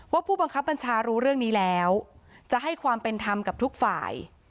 ผู้บังคับบัญชารู้เรื่องนี้แล้วจะให้ความเป็นธรรมกับทุกฝ่าย